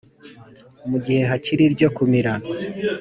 mu gihe hakiri iryo kumira